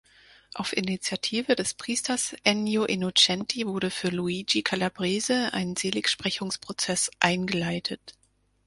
Auf Initiative des Priesters Ennio Innocenti wurde für Luigi Calabrese ein Seligsprechungsprozess eingeleitet.